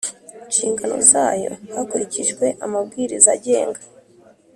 Nshingano Zayo Hakurikijwe Amabwiriza Agenga